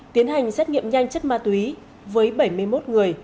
tiến hành xét nghiệm nhanh chất ma túy với bảy mươi một người